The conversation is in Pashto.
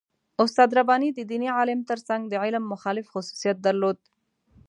استاد رباني د دیني عالم تر څنګ د علم مخالف خصوصیت درلود.